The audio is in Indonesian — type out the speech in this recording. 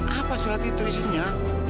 apa surat itu isinya